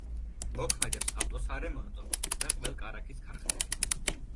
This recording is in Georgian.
მოქმედებს ავტოსარემონტო და ყველ-კარაქის ქარხნები.